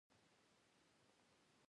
په غرونو کې ځنغوزي کیږي.